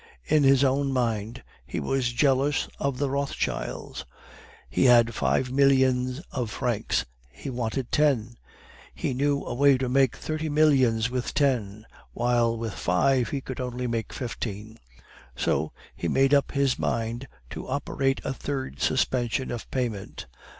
In his own mind, he was jealous of the Rothschilds. He had five millions of francs, he wanted ten. He knew a way to make thirty millions with ten, while with five he could only make fifteen. So he made up his mind to operate a third suspension of payment.